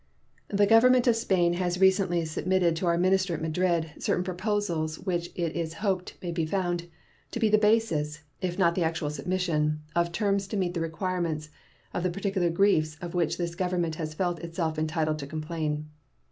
The Government of Spain has recently submitted to our minister at Madrid certain proposals which it is hoped may be found to be the basis, if not the actual submission, of terms to meet the requirements of the particular griefs of which this Government has felt itself entitled to complain.